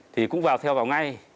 thì cũng vào theo vào ngay